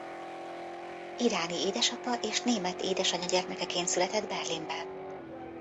Iráni édesapa és német édesanya gyermekeként született Berlinben.